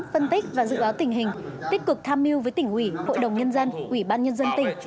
phân tích và dự báo tình hình tích cực tham mưu với tỉnh ủy hội đồng nhân dân ủy ban nhân dân tỉnh